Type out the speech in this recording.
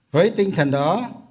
với tinh thần đó